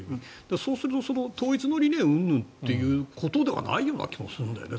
そうすると統一の理念ということではないような気がするんですよね。